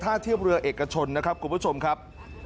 ถ้าเทียบเรือเอกชนนะครับคุณผู้ชมครับ